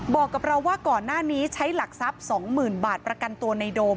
บอกกับเราว่าก่อนหน้านี้ใช้หลักทรัพย์๒๐๐๐บาทประกันตัวในโดม